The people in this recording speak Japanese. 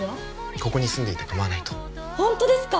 ここに住んでいてかまわないとホントですか？